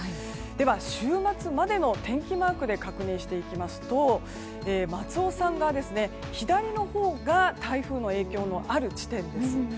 では、週末までの天気マークで確認していきますと松尾さん側、左のほうが台風の影響のある地点です。